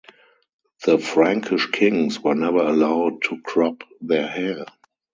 The Frankish kings were never allowed to crop their hair.